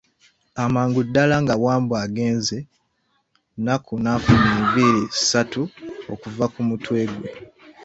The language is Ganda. Amangu ddala nga Wambwa agenze, Nakku n'afuna enviiri ssatu okuva ku mutwe gwe.